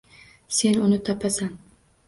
Sen uni topasan.